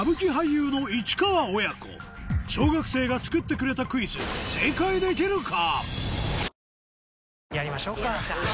小学生が作ってくれたクイズ正解できるか？